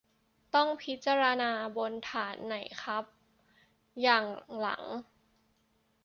ต้องพิจารณาบนฐานไหนครับ อย่างหลัง ?